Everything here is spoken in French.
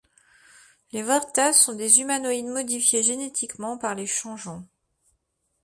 Les Vortas sont des humanoïdes modifiés génétiquement par les Changeants.